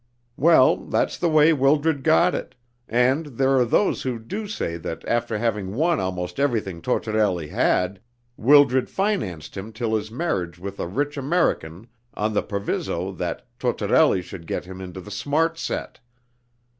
"Well, that's the way Wildred got it, and there are those who do say that after having won almost everything Tortorelli had, Wildred financed him till his marriage with a rich American on the proviso that Tortorelli should get him into the smart set.